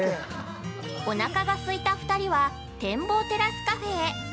◆おなかがすいた２人は展望テラスカフェへ。